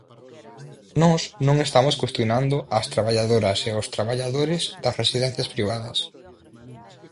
Nós non estamos cuestionando as traballadoras e os traballadores das residencias privadas.